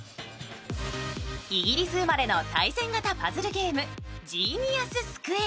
イギリス生まれの対戦型パズルゲーム「ジーニアススクエア」。